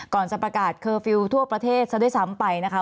ก่อนจะประกาศเคอร์ฟิลล์ทั่วประเทศซะด้วยซ้ำไปนะคะ